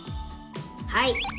はい。